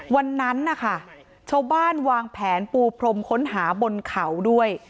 วันนั้นนะคะชาวบ้านวางแผนปูพรมค้นหาบนเขาด้วย